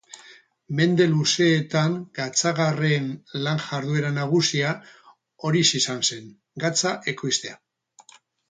Mende luzeetan gatzagarren lan-jarduera nagusia horixe izan zen: gatza ekoiztea.